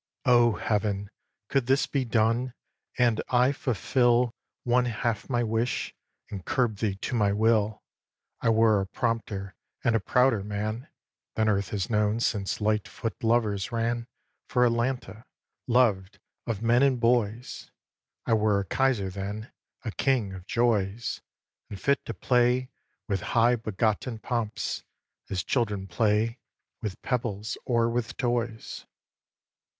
xiii. O Heaven! could this be done, and I fulfil One half my wish, and curb thee to my will, I were a prompter and a prouder man Than earth has known since light foot lovers ran For Atalanta, lov'd of men and boys. I were a kaiser then, a king of joys, And fit to play with high begotten pomps As children play with pebbles or with toys.